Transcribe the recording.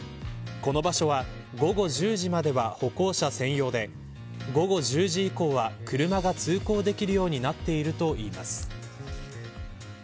この場所は午後１０時までは歩行者専用で午後１０時以降は、車が通行できるようになっているといいます。